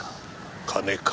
金か。